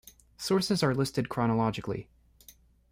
Sources are listed chronologically.